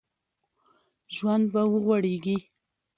ژوند به وغوړېږي